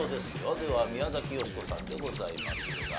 では宮崎美子さんでございますが。